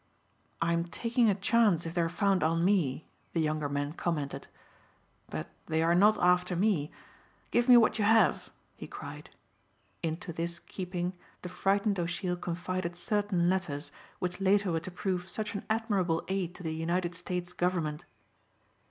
"I'm taking a chance if they are found on me," the younger man commented. "But they are not after me. Give me what you have," he cried. Into this keeping the frightened O'Sheill confided certain letters which later were to prove such an admirable aid to the United States Government.